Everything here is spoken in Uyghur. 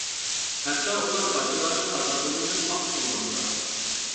ھەتتا ئۇلار باشقىلارنى خاتا تونۇۋېلىپ ئاختا قىلماقتا.